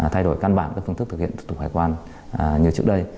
thay đổi căn bản các phương thức thực hiện tục hải quan như trước đây